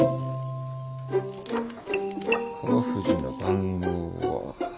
川藤の番号は。